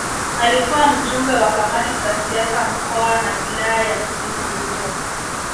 Alikuwa Mjumbe wa Kamati za Siasa Mkoa na Wilaya ya Kusini Unguja